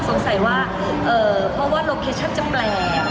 สงสัยว่าเพราะว่าโลเคชั่นจำแปลก